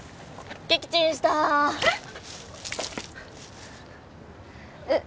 撃沈したえっ！？